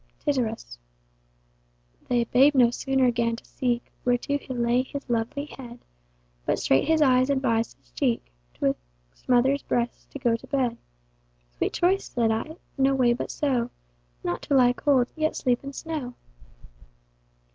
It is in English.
Tityrus. The babe no sooner 'gan to seek Where to lay his lovely head, But straight his eyes advis'd his cheek, 'Twixt mother's breasts to go to bed. Sweet choice (said I) no way but so, Not to lie cold, yet sleep in snow.